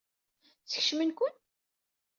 Skecmen-ken?